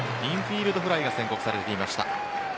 インフィールドフライが宣告されました。